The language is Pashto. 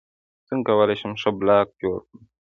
څنګه کولی شم ښه بلاګ جوړ کړم